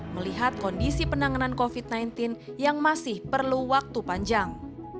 melihat kondisi penanganan covid sembilan belas yang masih perlu waktu panjang